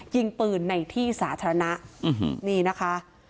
ยิงปืนในที่สาธารณะ